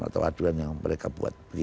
atau aduan yang mereka buat